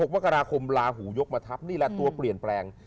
มกราคมลาหูยกมาทับนี่แหละตัวเปลี่ยนแปลง